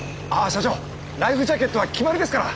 社長ライフジャケットは決まりですから。